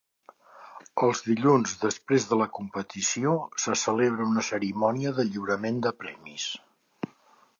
El dilluns després de la competició, se celebra una cerimònia de lliurament de premis.